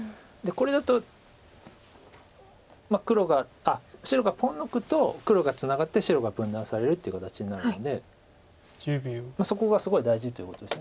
これだと白がポン抜くと黒がツナがって白が分断されるという形になるのでそこがすごい大事っていうことです。